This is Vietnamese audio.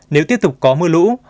nếu tiếp tục có mưa lũ